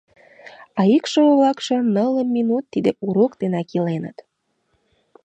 А икшыве-влакше нылле минут тиде урок денак иленыт.